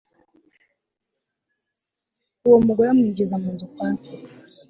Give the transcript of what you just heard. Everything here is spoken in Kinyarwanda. uwo mugore amwinjiza mu nzu kwa se